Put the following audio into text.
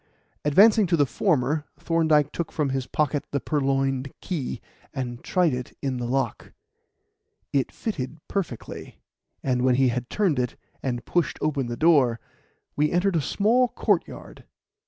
Advancing to the former, Thorndyke took from his pocket the purloined key, and tried it in the lock. It fitted perfectly, and when he had turned it and pushed open the door, we entered a small courtyard.